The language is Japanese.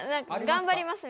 頑張ります